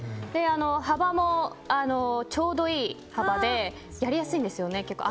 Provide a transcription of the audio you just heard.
幅もちょうどいい幅でやりやすいんですよね。